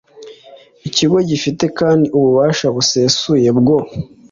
Ikigo gifite kandi ububasha busesuye bwo